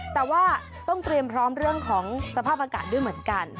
แต่ว่าต้องเตรียมพร้อมเรื่องของสภาพอากาศด้วยเหมือนกัน